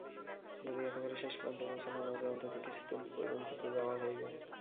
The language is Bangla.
যদি একেবারে শেষ প্রান্তে পৌঁছানো না যায়, অন্তত কিছুদূর পর্যন্ত তো যাওয়া যাইবে।